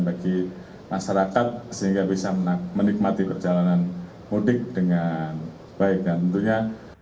bagi masyarakat sehingga bisa menikmati perjalanan mudik dengan baik dan tentunya